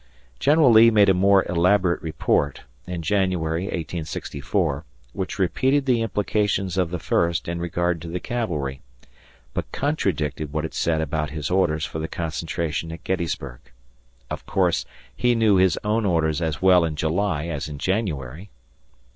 General Lee made a more elaborate report, in January, 1864, which repeated the implications of the first in regard to the cavalry, but contradicted what it said about his orders for the concentration at Gettysburg. Of course, he knew his own orders as well in July as in January.